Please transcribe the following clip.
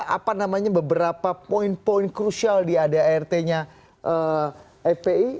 apa namanya beberapa poin poin krusial di adart nya fpi